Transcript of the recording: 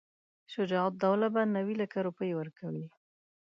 شجاع الدوله به نیوي لکه روپۍ ورکوي.